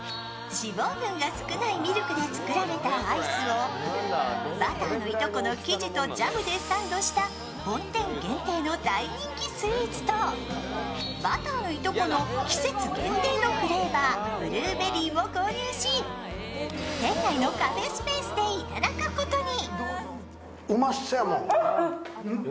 脂肪分が少ないミルクで作られたアイスをバターのいとこの生地とジャムでサンドした本店限定のスイーツと、バターのいとこの季節限定のフレーバーブルーベリーも購入し店内のカフェスペースでいただくことに。